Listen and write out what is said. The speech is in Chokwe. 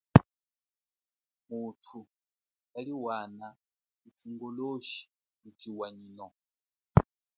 Muthu kaliwana ku chingoloshi kuchiwanyino.